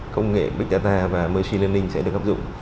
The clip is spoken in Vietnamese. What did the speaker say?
công nghệ big data và machine learning sẽ được hợp dụng